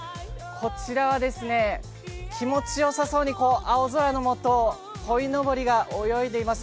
こちらは気持ちよさそうに青空のもと、こいのぼりが泳いでいます。